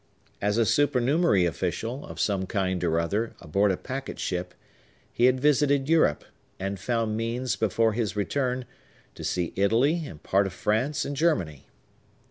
As a supernumerary official, of some kind or other, aboard a packet ship, he had visited Europe, and found means, before his return, to see Italy, and part of France and Germany.